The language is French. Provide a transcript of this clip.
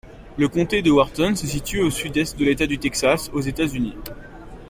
Le comté de Wharton se situe au sud-est de l'État du Texas, aux États-Unis.